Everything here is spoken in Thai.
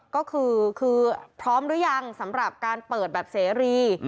ก็คือพร้อมหรือยังสำหรับการเปิดแบบเสรี